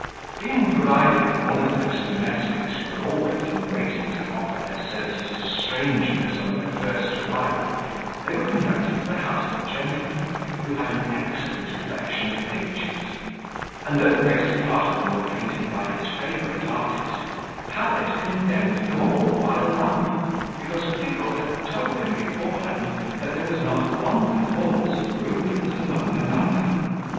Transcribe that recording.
Being provided with one of those domestics who are always in waiting to offer their services to strangers on their first arrival, they were conducted to the house of a gentleman who had an excellent collection of pictures; and though the greatest part of them were painted by his favourite artist, Pallet condemned them all by the lump, because Pickle had told him beforehand that there was not one performance of Rubens among the number.